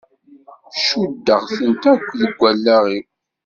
Cuddeɣ-tent akk deg wallaɣ-iw.